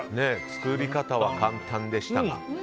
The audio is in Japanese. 作り方は簡単でしたが。